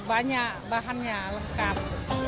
repot banyak bahannya lengkap